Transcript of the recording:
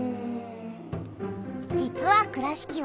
実は倉敷はね。